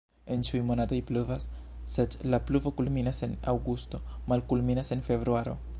En ĉiuj monatoj pluvas, sed la pluvo kulminas en aŭgusto, malkulminas en februaro.